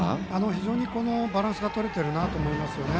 非常にバランスがとれてるなと思いますよね。